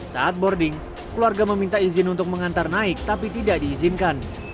saat boarding keluarga meminta izin untuk mengantar naik tapi tidak diizinkan